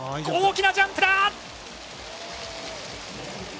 大きなジャンプだ！